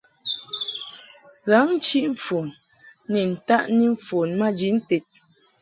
Ghǎŋ-chiʼ-mfon ni ntaʼni mfon maji nted.